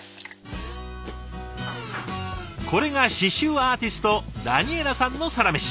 これが刺繍アーティストダニエラさんのサラメシ。